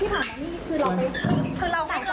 ยากเพราะคำ